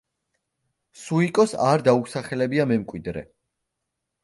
სუიკოს არ დაუსახელებია მემკვიდრე.